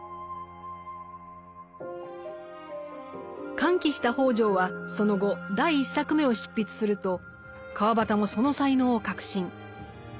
歓喜した北條はその後第１作目を執筆すると川端もその才能を確信。